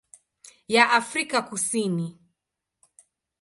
ya Afrika Kusini.